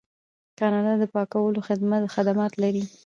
کاناډا د پاکولو خدمات لري.